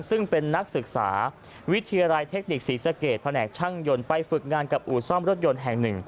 ซึ่งเป็นนักศึกษาวิทยาลัยเทคนิคศรีสะเกดแผนกช่างยนต์ไปฝึกงานกับอู่ซ่อมรถยนต์แห่งหนึ่ง